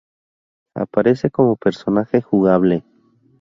Aparece Como personaje jugable.